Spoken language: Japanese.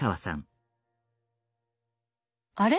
あれ？